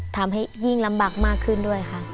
ทำให้ยิ่งลำบากมากขึ้นด้วยค่ะ